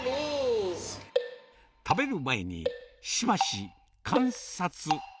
食べる前に、しばし観察。